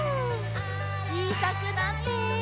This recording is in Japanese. ちいさくなって。